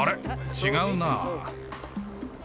違うな。